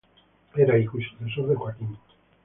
Era hijo y sucesor de Joaquim.